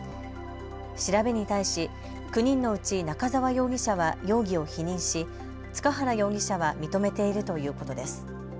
調べに対し９人のうち中澤容疑者は容疑を否認し塚原容疑者は認めているということです。